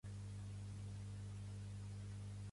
Caga de gust, ara ja passo de parlar educadament